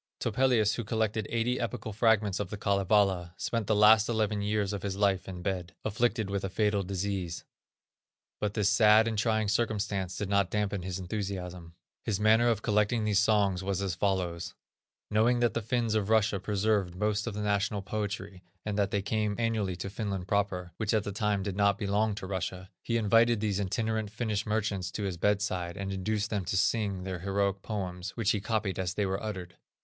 Topelius, who collected eighty epical fragments of the Kalevala, spent the last eleven years of his life in bed, afflicted with a fatal disease. But this sad and trying circumstance did not dampen his enthusiasm. His manner of collecting these songs was as follows: Knowing that the Finns of Russia preserved most of the national poetry, and that they came annually to Finland proper, which at that time did not belong to Russia, he invited these itinerant Finnish merchants to his bedside, and induced them to sing their heroic poems, which he copied as they were uttered.